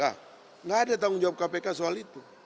tidak ada tanggung jawab kpk soal itu